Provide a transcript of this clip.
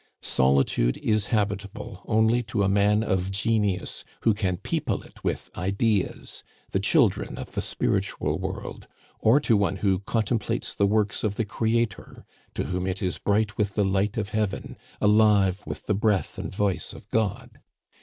Solitude is habitable only to a man of genius who can people it with ideas, the children of the spiritual world; or to one who contemplates the works of the Creator, to whom it is bright with the light of heaven, alive with the breath and voice of God.